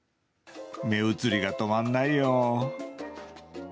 目移りが止まらないよ。